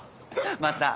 また。